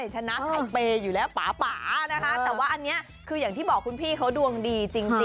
ชนะไข่เปย์อยู่แล้วป่านะคะแต่ว่าอันนี้คืออย่างที่บอกคุณพี่เขาดวงดีจริง